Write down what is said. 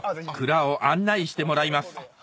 蔵を案内してもらいます